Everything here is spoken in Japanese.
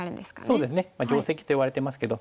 そうですね。定石といわれてますけど。